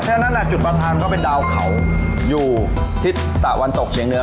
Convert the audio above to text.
เพราะฉะนั้นจุดประทานเขาเป็นดาวเขาอยู่ทิศตะวันตกเฉียงเหนือ